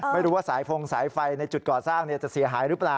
ไม่รู้ว่าสายฟงสายไฟในจุดก่อสร้างจะเสียหายหรือเปล่า